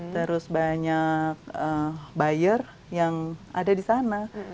terus banyak buyer yang ada di sana